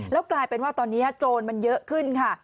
แล้วกลายเป็นว่าตอนนี้โจรมันเยอะขึ้นค่ะ